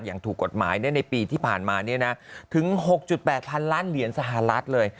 อย่างถูกกฎหมายในปีที่ผ่านมาถึง๖๘๐๐๐ล้านเหรียญสหรัฐเลย